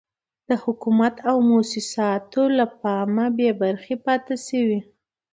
د حکومت او موسساتو له پام بې برخې پاتې شوي.